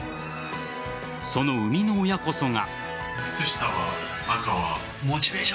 その生みの親こそが。